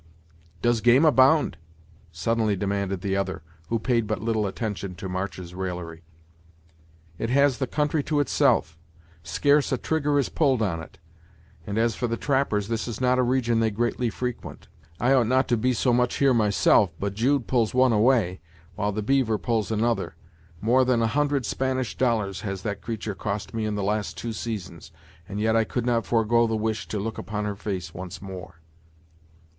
"Does game abound!" suddenly demanded the other, who paid but little attention to March's raillery. "It has the country to itself. Scarce a trigger is pulled on it; and as for the trappers, this is not a region they greatly frequent. I ought not to be so much here myself, but Jude pulls one way, while the beaver pulls another. More than a hundred Spanish dollars has that creatur' cost me the last two seasons, and yet I could not forego the wish to look upon her face once more."